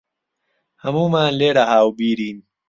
هەموومان لێرە هاوبیرین.